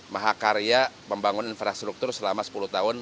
mahakarya membangun infrastruktur selama sepuluh tahun